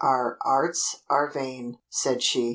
"Our arts are vain," said she.